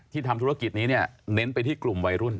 ที่ทำธุรกิจนี้เน้นไปที่กลุ่มวัยรุ่น